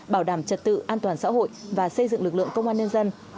bảo đảm trật tự an toàn xã hội và xây dựng lực lượng công an nhân dân